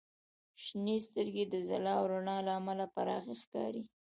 • شنې سترګې د ځلا او رڼا له امله پراخې ښکاري.